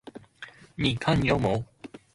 你看牛魔？